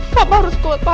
papa harus kuat pak